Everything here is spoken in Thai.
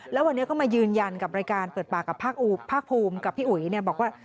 แล้ววันนี้ก็มายืนยันกับรายการเปิดปากกับภาคภูมิกับพี่อุ๋ยบอกว่า